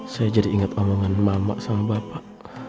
saya jadi ingat pandangan mama sama bapak